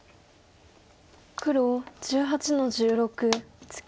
黒１８の十六ツケ。